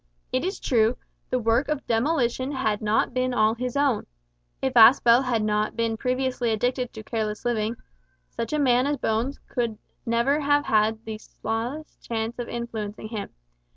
It is true, the work of demolition had not been all his own. If Aspel had not been previously addicted to careless living, such a man as Bones never could have had the smallest chance of influencing him.